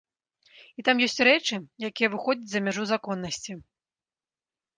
І там ёсць рэчы, якія выходзяць за мяжу законнасці.